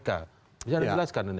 bagaimana menjelaskan ini